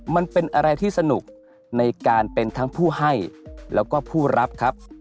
มันเป็นอะไรที่สนุกในการเป็นทั้งผู้ให้แล้วก็ผู้รับครับ